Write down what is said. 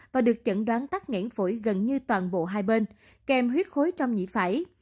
và được chẩn đoán tắt ngãn phổi gần như toàn bộ hai bên kèm huyết khối trong nhĩ phẩy